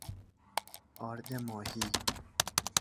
آرد ماهی